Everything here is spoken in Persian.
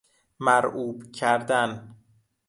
مرعوب کردن